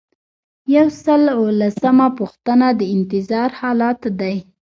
یو سل او لسمه پوښتنه د انتظار حالت دی.